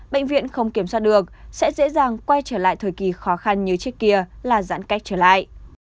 bệnh viện không kiểm soát được sẽ dễ dàng quay trở lại thời kỳ khó khăn như trước kia là giãn cách trở lại